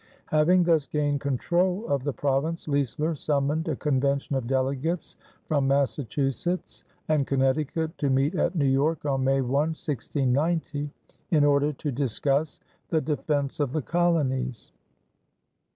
Having thus gained control of the province, Leisler summoned a convention of delegates from Massachusetts and Connecticut to meet at New York on May 1, 1690, in order to discuss the defense of the colonies.